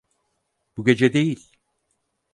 Bu gece değil.